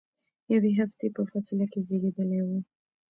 یوې هفتې په فاصله کې زیږیدلي ول.